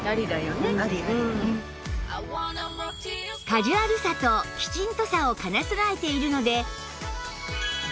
カジュアルさとキチンとさを兼ね備えているので